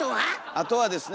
あとはですね